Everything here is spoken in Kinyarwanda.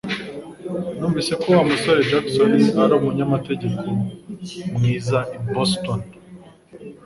Numvise ko Wa musore Jackson ari umunyamategeko mwiza i Boston